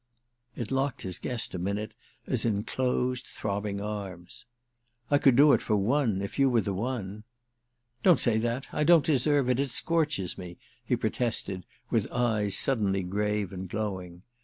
It locked his guest a minute as in closed throbbing arms. "I could do it for one, if you were the one." "Don't say that; I don't deserve it; it scorches me," he protested with eyes suddenly grave and glowing.